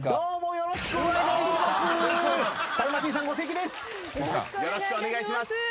よろしくお願いします。